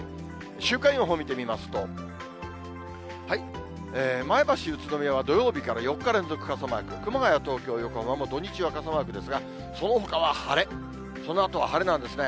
週間予報見てみますと、前橋、宇都宮は土曜日から４日連続傘マーク、熊谷、東京、横浜も土日は傘マークですが、そのほかは晴れ、そのあとは晴れなんですね。